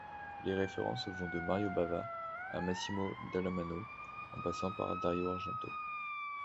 Les références vont de Mario Bava à Massimo Dallamano, en passant par Dario Argento.